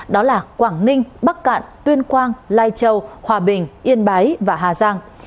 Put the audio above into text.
đó là quảng ninh bắc cạn tuyên quang lai châu hòa bình yên bái và hà giang